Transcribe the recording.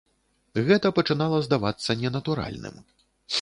Гэта пачынала здавацца ненатуральным.